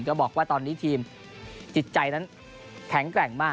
ก็บอกว่าตอนนี้ทีมจิตใจนั้นแข็งแกร่งมาก